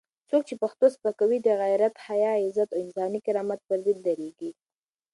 څوک چې پښتو سپکوي، د غیرت، حیا، عزت او انساني کرامت پر ضد درېږي.